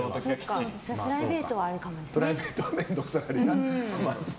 プライベートは面倒くさがり。